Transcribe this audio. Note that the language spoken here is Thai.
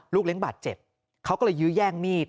เลี้ยงบาดเจ็บเขาก็เลยยื้อแย่งมีด